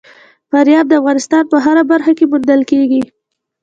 فاریاب د افغانستان په هره برخه کې موندل کېږي.